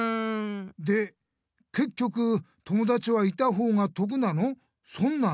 でけっきょく友だちはいたほうが得なの？